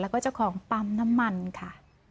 แล้วก็เจ้าของปั๊มน้ำมันค่ะ